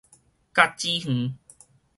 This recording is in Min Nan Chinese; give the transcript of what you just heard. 甲子園